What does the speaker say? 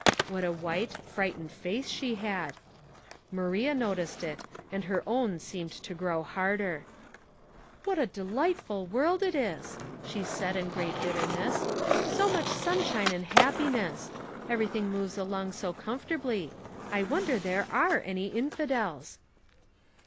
What a white, frightened face she had ! Maria noticed it, and her own seemed to grow harder. " What a delightful world it is I " she said, in great bitterness. " So much sunshine and hap 262 Household Puzzles. piness. Everything moves aloDg so comfortably. I wonder there are any infidels."